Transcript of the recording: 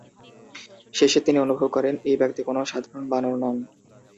শেষে তিনি অনুভব করেন, এই ব্যক্তি কোনও সাধারণ বানর নন।